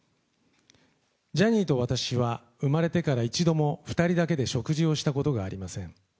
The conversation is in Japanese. ジャニーと私は生まれてから一度も２人だけで食事をしたことがありません。